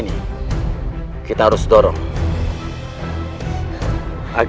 ini ada di al quran kami